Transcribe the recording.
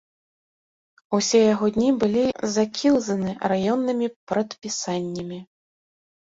Усе яго дні былі закілзаны раённымі прадпісаннямі.